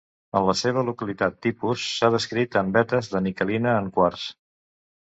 En la seva localitat tipus s’ha descrit en vetes de niquelina en quars.